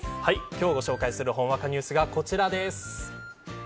今日ご紹介するほんわかニュースがこちらです。